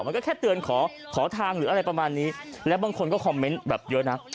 มันก็แค่เตือนขอขอทางหรืออะไรประมาณนี้และบางคนก็คอมเมนต์แบบเยอะนะ